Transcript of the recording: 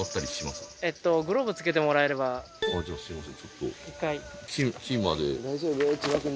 すいません。